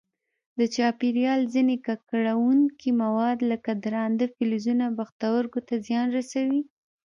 د چاپېریال ځیني ککړونکي مواد لکه درانده فلزونه پښتورګو ته زیان رسوي.